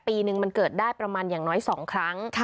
ปีนึงมันเกิดได้ประมาณอย่างน้อย๒ครั้ง